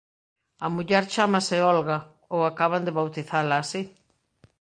A muller chámase Olga, ou acaban de bautizala así.